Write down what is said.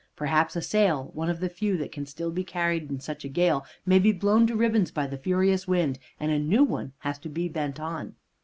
Perhaps a sail, one of the few that can still be carried in such a gale, may be blown to ribbons by the furious wind, and a new one has to be bent on.